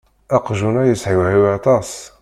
Aqjun-a yeshewhiw aṭas.